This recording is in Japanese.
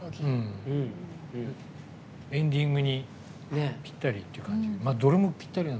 エンディングにぴったりっていう感じが。